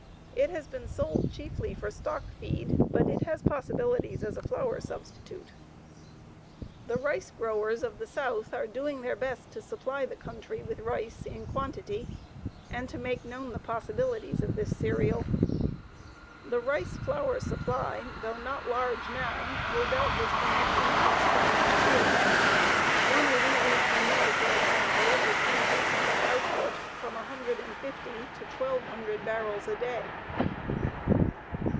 It has been sold chiefly for stock feed, but it has possibilities as a flour substitute. The rice growers of the South are doing their best to supply the country with rice in quantity and to make known the possibilities of this cereal. The rice flour supply, though not large now, will doubtless be much increased by next year. One Louisiana mill, for example, is increasing its output from 150 to 1,200 barrels a day.